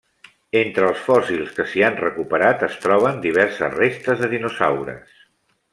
Entre els fòssils que s'hi han recuperat es troben diverses restes de dinosaures.